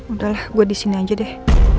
udahlah gue disini aja deh